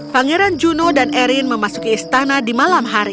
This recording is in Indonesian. pangeran juno dan erin memasuki istana di malam hari